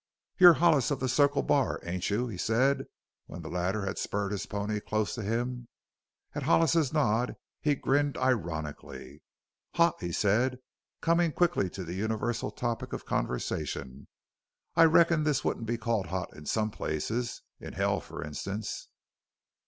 "You're Hollis, of the Circle Bar, ain't you?" he said when the latter had spurred his pony close to him. At Hollis's nod he grinned ironically. "Hot!" he said, coming quickly to the universal topic of conversation; "I reckon this wouldn't be called hot in some places in hell, for instance.